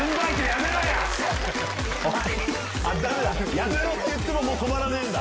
やめろっつっても止まらねえんだ。